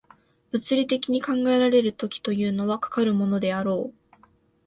物理的に考えられる時というのは、かかるものであろう。